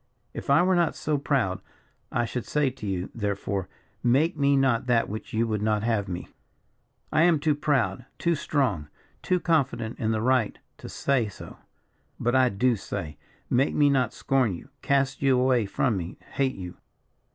If I were not so proud, I should say to you, therefore, 'Make me not that which you would not have me!' I am too proud, too strong, too confident in the right to say so. But I do say, 'Make me not scorn you, cast you away from me, hate you.'